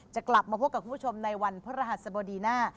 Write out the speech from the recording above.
กลับมาพบกับคุณผู้ชมในวันพระรหัสบดีหน้า